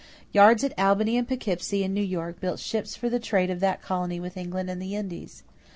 Yards at Albany and Poughkeepsie in New York built ships for the trade of that colony with England and the Indies.